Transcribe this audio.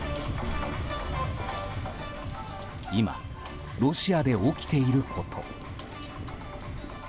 今、ロシアで起きていること。